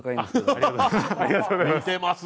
ありがとうございます。